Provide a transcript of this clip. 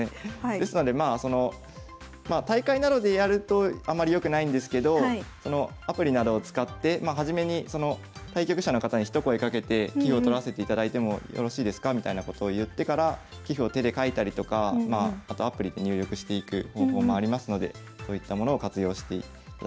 ですのでまあその大会などでやるとあんまりよくないんですけどアプリなどを使って初めに対局者の方に一声かけて棋譜をとらせていただいてもよろしいですかみたいなことを言ってから棋譜を手で書いたりとかまああとアプリで入力していく方法もありますのでそういったものを活用していただけたらと思います。